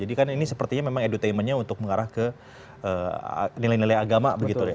dan ini sepertinya memang edutainmentnya untuk mengarah ke nilai nilai agama gitu ya